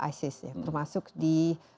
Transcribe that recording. isis termasuk di